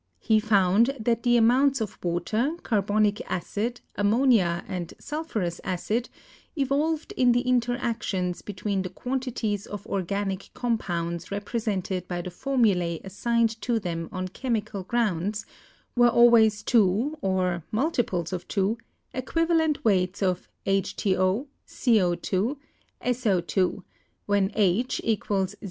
He found that the amounts of water, carbonic acid, ammonia and sulphurous acid evolved in the interactions between the quantities of organic com pounds represented by the formulae assigned to them on chemical grounds, were always two (or multiples of two) equivalent weights of H 2 0, C0 2 S0 2 , when H = 0.